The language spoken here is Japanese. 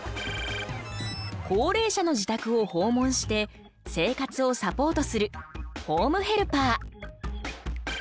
高齢者の自宅を訪問して生活をサポートするホームヘルパー。